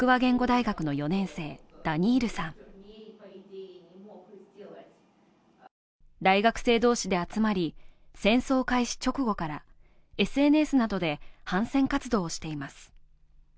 大学生同士で集まり、戦争開始直後からＳＮＳなどで反戦活動をしています。